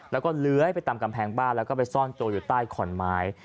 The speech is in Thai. แล้วก็เลื้อยไปตามกำแพงบ้านแล้วก็ไปซ่อนตัวอยู่ใต้ขอนไม้